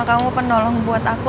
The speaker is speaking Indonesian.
bukan cuma kamu penolong buat aku